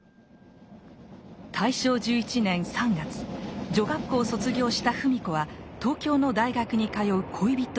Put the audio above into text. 大正１１年３月女学校を卒業した芙美子は東京の大学に通う恋人を追って上京。